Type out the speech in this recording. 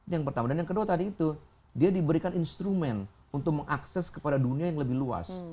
yang pertama dan yang kedua tadi itu dia diberikan instrumen untuk mengakses kepada dunia yang lebih luas